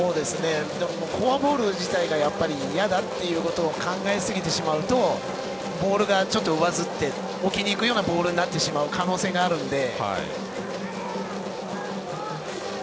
フォアボール自体が嫌だっていうことを考えすぎてしまうとボールがちょっと上ずって置きにいくようなボールになる可能性があるので。